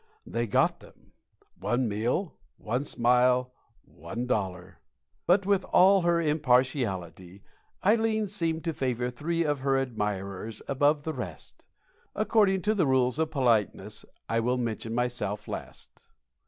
They got them. One meal one smile one dollar. But, with all her impartiality, Ileen seemed to favor three of her admirers above the rest. According to the rules of politeness, I will mention myself last.